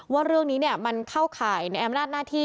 ว่าเรื่องนี้มันเข้าข่ายในอำนาจหน้าที่